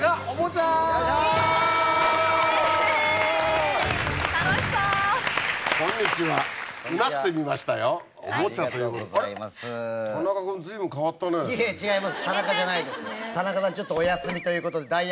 おもちゃということで。